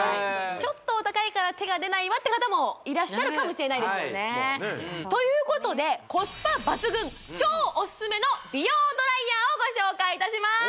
ちょっとお高いから手が出ないわって方もいらっしゃるかもしれないですもんねということでコスパ抜群超オススメの美容ドライヤーをご紹介いたします